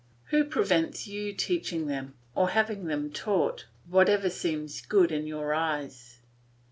Who prevents you teaching them, or having them taught, whatever seems good in your eyes?